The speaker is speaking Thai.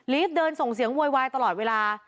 เดินส่งเสียงโวยวายตลอดเวลา